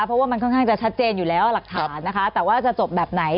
เพราะว่ามันค่อนข้างจะชัดเจนอยู่แล้วหลักฐานนะคะแต่ว่าจะจบแบบไหน